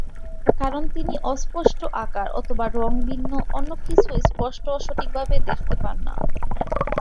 কারণ তিনি অস্পষ্ট আকার অথবা রঙ ভিন্ন অন্য কোন কিছুই স্পষ্ট ও সঠিকভাবে দেখতে পান না।